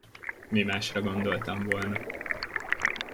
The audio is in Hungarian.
Mi másra gondoltam volna?